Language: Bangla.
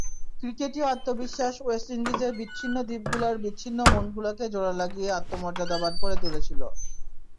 ক্রিকেটীয় আত্মবিশ্বাস ওয়েস্ট ইন্ডিজের বিচ্ছিন্ন দ্বীপগুলোর বিচ্ছিন্ন মনগুলোকে জোড়া লাগিয়ে আত্মমর্যাদাবান করে তুলেছিল।